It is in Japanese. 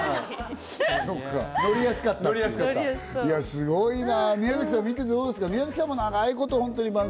すごいな。